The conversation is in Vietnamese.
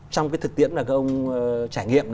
trong cái thực tiễn mà ông trải nghiệm